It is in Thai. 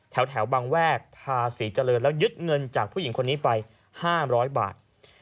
แถวบางแวกพาศรีเจริญแล้วยึดเงินจากผู้หญิงคนนี้ไป๕๐๐บาท